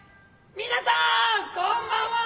皆さん、こんばんは！